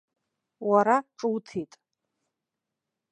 Уара ҿуҭит.